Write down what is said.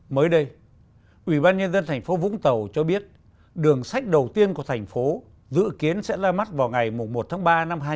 mới đây ủy ban nhân dân tp hcm cho biết đường sách đầu tiên của tp hcm dự kiến sẽ ra mắt vào ngày hôm nay